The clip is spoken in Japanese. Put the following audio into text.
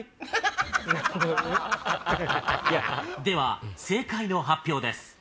では正解の発表です。